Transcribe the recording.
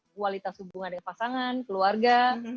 kualitas hubungan dengan pasangan keluarga